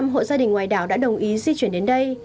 ba trăm linh hộ gia đình ngoài đảo đã đồng ý di chuyển đến đây